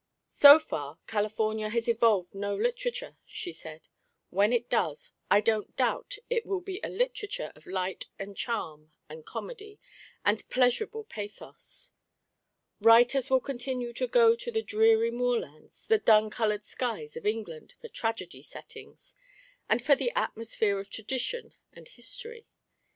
"So far, California has evolved no literature," she said. "When it does, I don't doubt it will be a literature of light and charm and comedy and pleasurable pathos. Writers will continue to go to the dreary moorlands, the dun coloured skies of England for tragedy settings, and for the atmosphere of tradition and history.